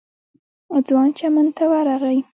ځوان چمن ته ورغی.